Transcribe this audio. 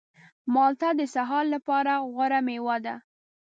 مالټه د سهار لپاره غوره مېوه ده.